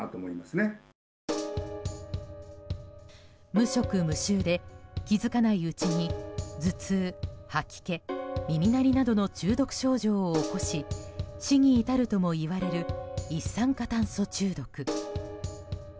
無色・無臭で気づかないうちに頭痛、吐き気、耳鳴りなどの中毒症状を起こし死に至るともいわれる一酸化炭素中毒。